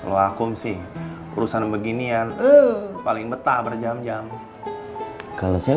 lakum sih urusan beginian paling betah berjam jam kalau saya